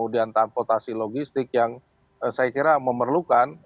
address tentang pendekatan tugas yang membutuhkan pengetahuan dalam kehidupan yang adalah